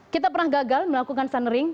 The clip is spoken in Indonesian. kita pernah gagal melakukan sunring